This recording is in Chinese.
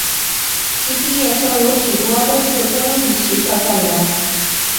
其毕业生有许多都是公立学校教员。